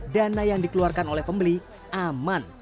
dana yang dikeluarkan oleh pembeli aman